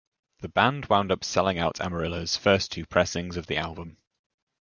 The band wound up selling out Amarillo's first two pressings of the album.